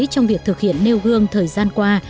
trong việc thực hiện nêu gương thời gian qua